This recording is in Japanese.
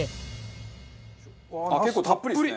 結構たっぷりですね。